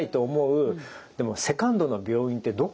でもセカンドの病院ってどこ？